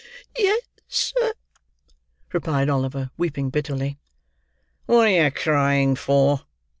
"Yes, sir," replied Oliver, weeping bitterly. "What are you crying for?"